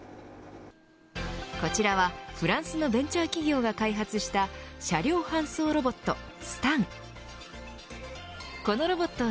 こちらはフランスのベンチャー企業が開発した車両搬送ロボットＳｔａｎ。